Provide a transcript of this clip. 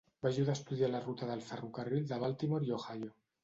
Va ajudar a estudiar la ruta del ferrocarril de Baltimore i Ohio.